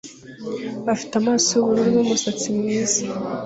Afite amaso yubururu n umusatsi mwiza